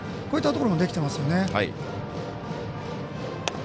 こういったところもできていますよね。